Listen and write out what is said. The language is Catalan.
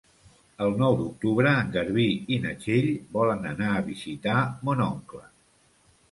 El nou d'octubre en Garbí i na Txell volen anar a visitar mon oncle.